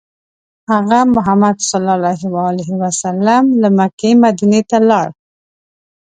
هغه ﷺ له مکې مدینې ته لاړ.